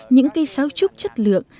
những cây xáo trúc chất lượng